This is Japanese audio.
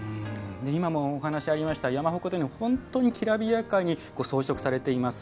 今もお話ありました山鉾というのは本当にきらびやかに装飾されています。